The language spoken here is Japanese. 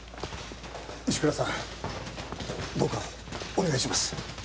石倉さんどうかお願いします。